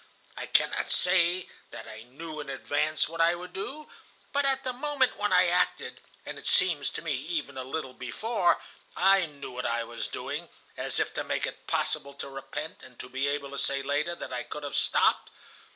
I cannot say that I knew in advance what I would do, but at the moment when I acted, and it seems to me even a little before, I knew what I was doing, as if to make it possible to repent, and to be able to say later that I could have stopped.